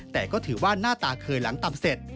แต่ก็ถือว่าหน้าตาเคยหลังตำเสร็จ